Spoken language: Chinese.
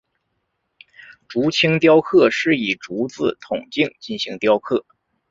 竹青雕刻是以竹子筒茎进行雕刻。